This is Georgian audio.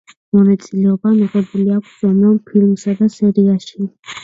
მონაწილეობა მიღებული აქვს უამრავ ფილმსა თუ სერიალში.